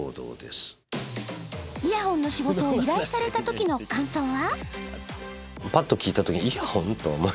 イヤホンの仕事を依頼されたときの感想は？